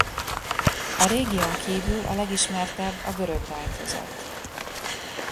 A régión kívül a legismertebb a görög változat.